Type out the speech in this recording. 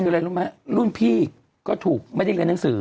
คืออะไรรู้ไหมรุ่นพี่ก็ถูกไม่ได้เรียนหนังสือ